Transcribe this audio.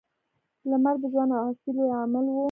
• لمر د ژوند او هستۍ لوی عامل و.